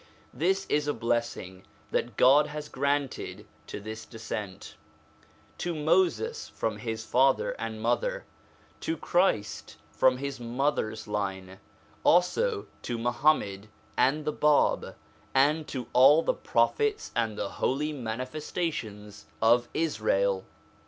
This is a blessing that God has granted to this descent: to Moses from his father and mother, to Christ from his mother's line ; also to Muhammad and the Bab, and to all the Prophets and the Holy Manifestations of Israel.